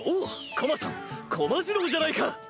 コマさんコマじろうじゃないか。